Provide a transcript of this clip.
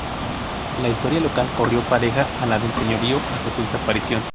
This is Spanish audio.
La historia local corrió pareja a la del Señorío hasta su desaparición.